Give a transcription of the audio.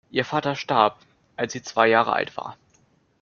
Ihr Vater starb, als sie zwei Jahre alt war.